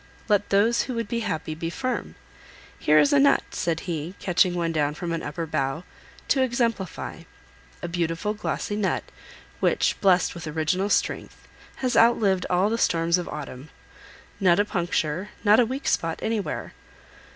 Let those who would be happy be firm. Here is a nut," said he, catching one down from an upper bough, "to exemplify: a beautiful glossy nut, which, blessed with original strength, has outlived all the storms of autumn. Not a puncture, not a weak spot anywhere.